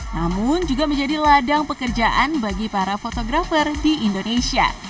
namun juga menjadi ladang pekerjaan bagi para fotografer di indonesia